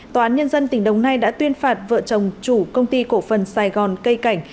tòa án nhân dân tỉnh đồng nai đã tuyên phạt vợ chồng chủ công ty cổ phần sài gòn cây cảnh